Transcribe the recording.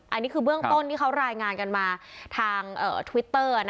อันนี้คือเบื้องต้นที่เขารายงานกันมาทางทวิตเตอร์